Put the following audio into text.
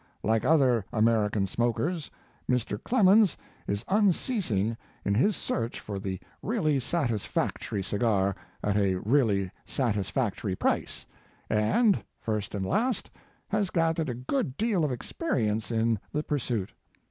L,ike other American smokers, Mr. Clemens is unceasing in his search 176 Mark Twain for the really satisfactory cigar at a really satisfactory price, and, first and last, has gathered a good deal of experience in the pursuit.